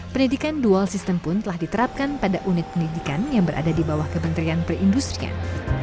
pendidikan dual system pun telah diterapkan pada unit pendidikan yang berada di bawah kementerian perindustrian